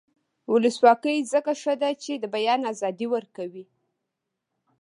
ولسواکي ځکه ښه ده چې د بیان ازادي ورکوي.